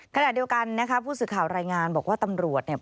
ขณะเดียวกันนะคะผู้สื่อข่าวรายงานบอกว่าตำรวจเนี่ย